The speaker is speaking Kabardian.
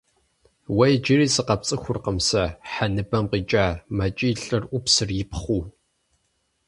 — Уэ иджыри сыкъэпцӏыхуркъым сэ, хьэ ныбэм къикӀа! — мэкӏий лӏыр ӏупсыр ипхъыу.